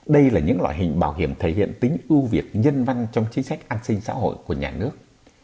đây là những loại hình bảo hiểm thể hiện tính ưu việt nhân văn trong chính sách an sinh xã hội của nhà nước